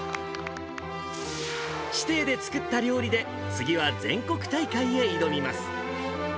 師弟で作った料理で、次は全国大会へ挑みます。